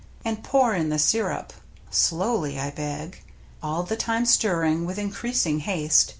And pour in the sirup — slowly, I beg — All the time stirring with increasing haste.